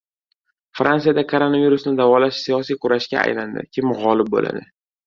Fransiyada koronavirusni davolash siyosiy kurashga aylandi. Kim g‘olib bo‘ladi?